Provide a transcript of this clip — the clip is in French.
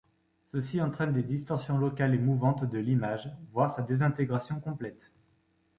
Ceci entraîne des distorsions locales et mouvantes de l'image voire sa désintégration complète.